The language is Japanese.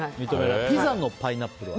ピザのパイナップルは？